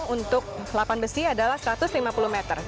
untuk selapan besi adalah satu ratus lima puluh meter